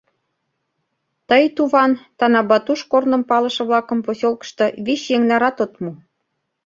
Тый, туван, Танабатуш корным палыше-влакым посёлкышто вич еҥ нарат от му.